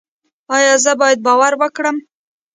ایا زه باید باور وکړم؟